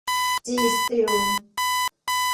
จี สตีล